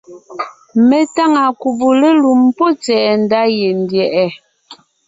Mé táŋa kùbe lélùm pɔ́ tsɛ̀ɛ ndá yendyɛ̀ʼɛ.